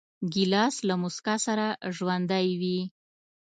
ګیلاس له موسکا سره ژوندی وي.